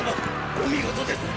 お見事です！